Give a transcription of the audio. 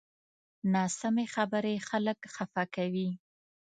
ناسمې خبرې خلک خفه کوي